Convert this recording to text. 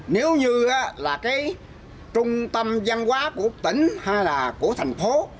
nếu như là cái trung tâm văn hóa của tỉnh hay là của thành phố